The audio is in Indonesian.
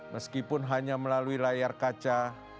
meskipun hanya melalui layar kaca